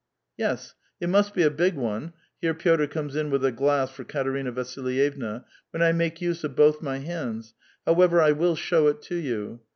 "Yes, it must be a big one" (here Piotr comes in with a glass for Katerina Vasilyevna) — "when I make use of both my hands. However, 1 will show it to you."